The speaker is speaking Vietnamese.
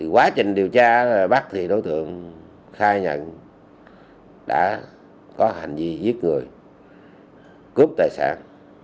quá trình điều tra bắt thì đối tượng khai nhận đã có hành vi giết người cướp tài sản